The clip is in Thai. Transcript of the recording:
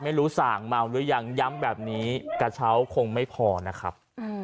ไม่รู้ส่างเมาหรือยังย้ำแบบนี้กระเช้าคงไม่พอนะครับ